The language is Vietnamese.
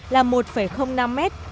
là một năm mét